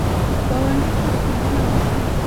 ګاونډي ته ښېګڼه وکړه